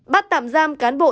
bắt tạm giam cán bộ